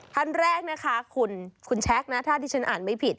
ท่านแรกนะคะคุณแชคนะถ้าที่ฉันอ่านไม่ผิด